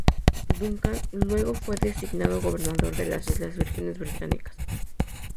Duncan luego fue designado gobernador de las Islas Vírgenes Británicas.